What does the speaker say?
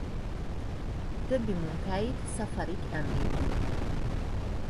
Többi munkáit Safarik említi.